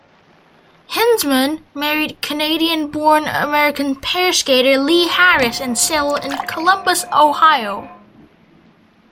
Hinzmann married Canadian-born American pair skater Lee Harris and settled in Columbus, Ohio.